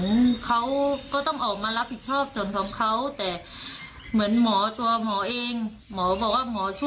แต่เราก็ต่อลองว่าเราทำงานได้เยอะกว่านี้นะ